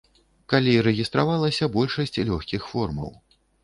Калі рэгістравалася большасць лёгкіх формаў.